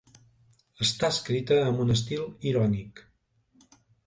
Està escrita amb un estil irònic.